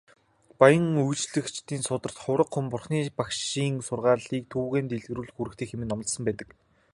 Буян үйлдэгчийн сударт "Хувраг хүн Бурхан багшийн сургаалыг түгээн дэлгэрүүлэх үүрэгтэй" хэмээн номлосон байдаг.